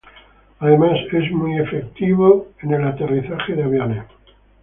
Además es muy efectivo en el terrorismo en aviones.